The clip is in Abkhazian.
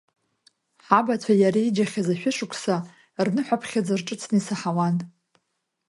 Ҳабацәа иареиџьхьаз ашәышықәса, рныҳәаԥхьыӡ рҿыцны исаҳауан.